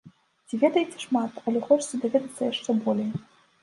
Ці ведаеце шмат, але хочацца даведацца яшчэ болей?